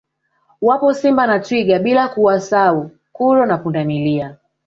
Wapo Simba na Twiga bila kuwasau kuro na Pundamilia